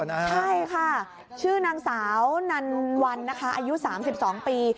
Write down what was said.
ใช่ค่ะชื่อนางสาวนันวันนะคะอายุ๓๒ปี